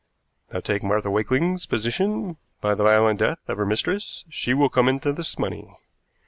Now take Martha Wakeling's position. By the violent death of her mistress she will come into this money.